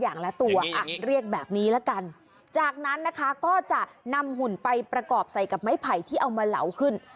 ละตัวอ่ะเรียกแบบนี้ละกันจากนั้นนะคะก็จะนำหุ่นไปประกอบใส่กับไม้ไผ่ที่เอามาเหลาขึ้น